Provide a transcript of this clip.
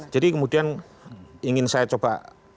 jadi kemudian ingin saya coba